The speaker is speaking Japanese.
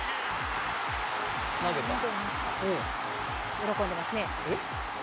喜んでますね。